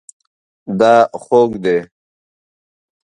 دا خوږ دی